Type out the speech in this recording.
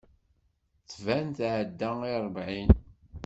Tban tɛedda i ṛebɛin.